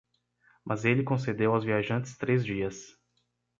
Mas ele concedeu aos viajantes três dias.